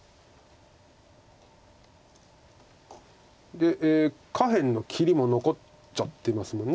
で下辺の切りも残っちゃってますもんね。